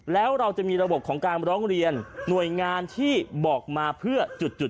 แล้วเราจะมีระบบของการร้องเรียนหน่วยงานที่บอกมาเพื่อจุด